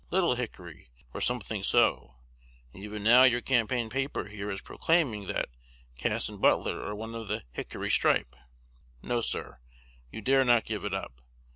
'Little Hickory,' or something so; and even now your campaign paper here is proclaiming that Cass and Butler are of the 'Hickory stripe.' No, sir, you dare not give it up.